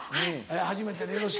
初めてでよろしく。